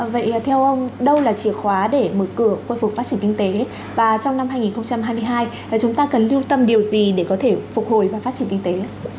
vậy theo ông đâu là chìa khóa để mở cửa khôi phục phát triển kinh tế và trong năm hai nghìn hai mươi hai chúng ta cần lưu tâm điều gì để có thể phục hồi và phát triển kinh tế ạ